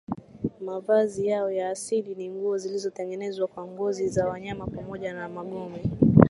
Mavazi yao ya asili ni nguo zilizotengenezwa kwa ngozi za wanyama pamoja na magome